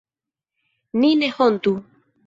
Ni ne hontu!